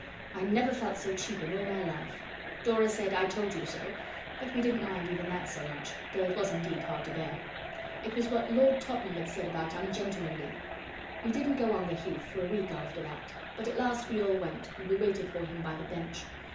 I never felt so cheap in all my life! Dora said, 'I told you so,' but we didn't mind even that so much, though it was indeed hard to bear. It was what Lord Tottenham had said about ungentlemanly. We didn't go on to the Heath for a week after that; but at last we all went, and we waited for him by the bench.